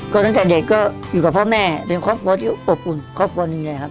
ก็ตั้งแต่เด็กก็อยู่กับพ่อแม่เป็นครอบครัวที่อบอุ่นครอบครัวนี้เลยครับ